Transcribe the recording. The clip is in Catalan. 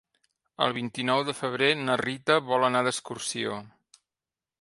El vint-i-nou de febrer na Rita vol anar d'excursió.